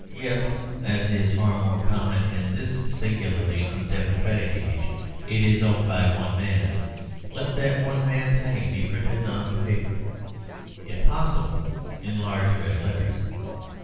If (as is far more common in this singularly undemocratic age) it is owned by one man, let that one man's name be printed on the paper, if possible in large red letters.